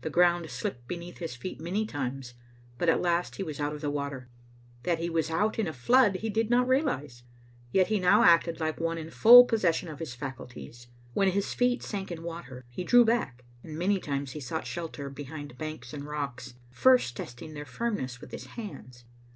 The ground slipped beneath his feet many times, but at last he was out of the water. That he was out in a flood he did not realize ; yet he now acted like one in full possession of his faculties. When his feet sank in water, he drew back ; and many times he sought shelter behind banks and rocks, first testing their firmness with his hands.